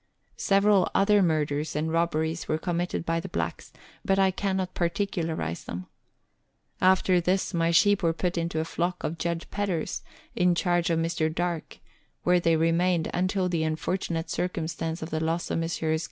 Several other murders and robberies were committed by the blacks, but I cannot particu larize them. After this, my sheep were put into a flock of Judge Pedder's, in charge of Mr. Darke, where they remained until the unfortunate circumstance of the loss of Messrs.